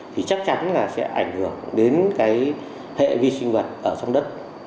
thì chắc chắn là sẽ ảnh hưởng đến cái hệ vi sinh vật ở trong đất